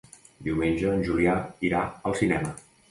Diumenge en Julià irà al cinema.